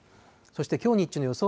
そしてきょう日中の予想